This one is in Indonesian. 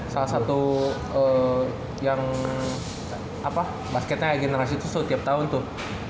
salah satu yang basketnya generasi tusuk tiap tahun tuh